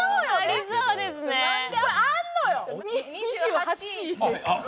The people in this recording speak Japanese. ２８位です。